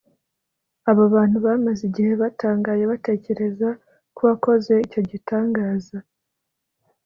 . Abo bantu bamaze igihe batangaye batekereza k’uwakoze icyo gitangaza